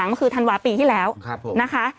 ก็คือธันวาส์ปีที่แล้วครับผมนะคะ